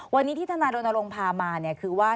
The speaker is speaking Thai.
วันนี้ที่ธนาโดนโรงภาคมานี่คือว่า